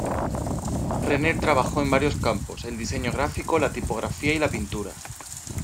Renner trabajó en varios campos: el diseño gráfico, la tipografía y la pintura.